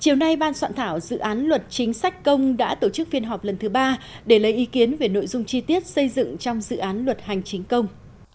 chiều nay ban soạn thảo dự án luật chính sách công đã tổ chức phiên họp lần thứ ba để lấy ý kiến về nội dung chi tiết xây dựng trong dự án luật hành chính công